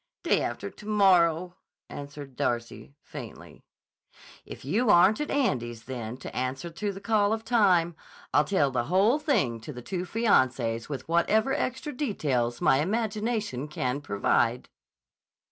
"Day after to morrow," answered Darcy faintly. "If you aren't at Andy's then to answer to the call of time, I'll tell the whole thing to the two fiancées with whatever extra details my imagination can provide."